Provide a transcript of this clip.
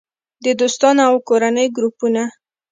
- د دوستانو او کورنۍ ګروپونه